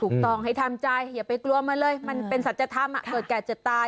ต้องให้ทำใจอย่าไปกลัวมันเลยมันเป็นสัจธรรมเกิดแก่เจ็บตาย